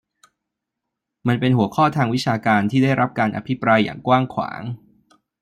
มันเป็นหัวข้อทางวิชาการที่ได้รับการอภิปรายอย่างกว้างขวาง